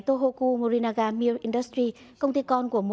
tohoku morinaga milk industry công ty con của tepco